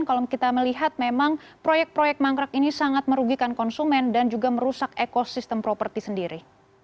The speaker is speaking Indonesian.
kalau kita melihat memang proyek proyek mangkrak ini sangat merugikan konsumen dan juga merusak ekosistem properti sendiri